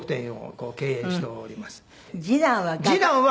次男は。